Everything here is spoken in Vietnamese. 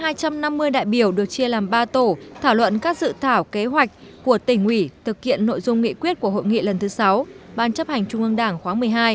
hơn hai trăm năm mươi đại biểu được chia làm ba tổ thảo luận các dự thảo kế hoạch của tỉnh ủy thực hiện nội dung nghị quyết của hội nghị lần thứ sáu ban chấp hành trung ương đảng khóa một mươi hai